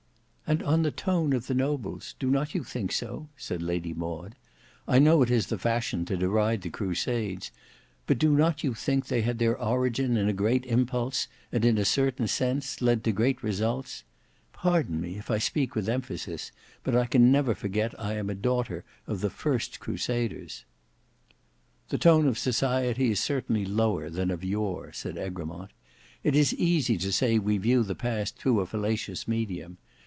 "And on the tone of the Nobles—do not you think so?" said Lady Maud. "I know it is the fashion to deride the crusades, but do not you think they had their origin in a great impulse, and in a certain sense, led to great results? Pardon me, if I speak with emphasis, but I never can forget I am a daughter of the first crusaders." "The tone of society is certainly lower than of yore," said Egremont. "It is easy to say we view the past through a fallacious medium.